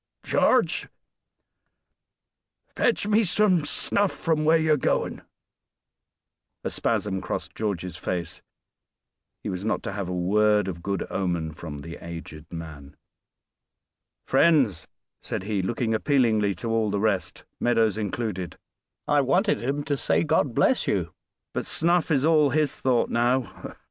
"George, fetch me some snuff from where you're going." A spasm crossed George's face; he was not to have a word of good omen from the aged man. "Friends," said he, looking appealingly to all the rest, Meadows included, "I wanted him to say God bless you, but snuff is all his thought now.